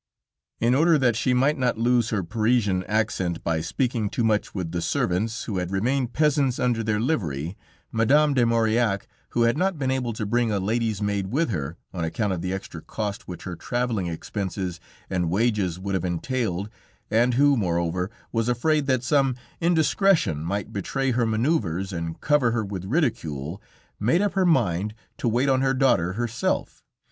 In order that she might not lose her Parisian accent by speaking too much with the servants, who had remained peasants under their livery, Madame de Maurillac, who had not been able to bring a lady's maid with her, on account of the extra cost which her traveling expenses and wages would have entailed, and who, moreover, was afraid that some indiscretion might betray her maneuvers and cover her with ridicule, made up her mind to wait on her daughter herself.